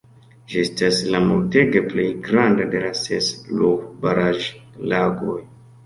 Ĝi estas la multege plej granda de la ses Ruhr-baraĵlagoj.